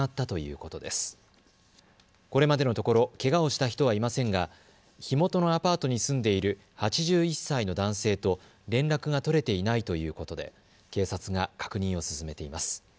これまでのところけがをした人はいませんが火元のアパートに住んでいる８１歳の男性と連絡が取れていないということで警察が確認を進めています。